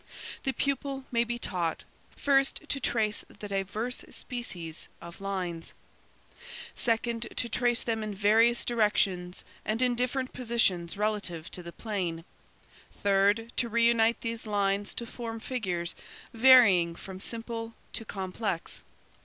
"The pupil may be taught: First, to trace the diverse species of lines. Second, to trace them in various directions and in different positions relative to the plane. Third, to reunite these lines to form figures varying from simple to complex.